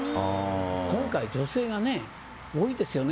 今回、女性が多いですよね。